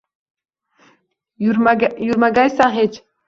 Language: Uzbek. Yurmagaysan hech.